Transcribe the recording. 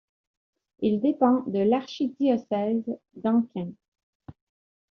Il dépend de l'archidiocèse d'Anqing.